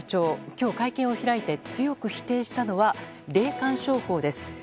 今日、会見を開いて強く否定したのは霊感商法です。